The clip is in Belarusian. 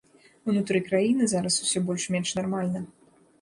Унутры краіны зараз усё больш-менш нармальна.